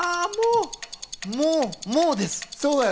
もう、もうです。